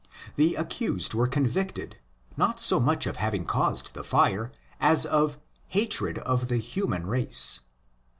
The accused were convicted, not so much of having caused the fire as of '' hatred of the human race."